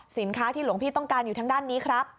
สินค้าที่หลวงพี่ต้องการอยู่ทางด้านนี้ครับ